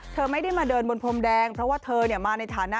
เธอไม่ได้มาเดินบนพรมแดงเพราะว่าเธอมาในฐานะ